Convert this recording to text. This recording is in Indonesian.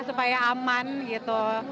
supaya aman gitu